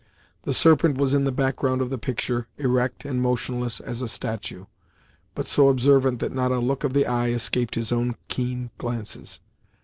The Serpent was in the background of the picture, erect, and motionless as a statue; but so observant that not a look of the eye escaped his own keen glances.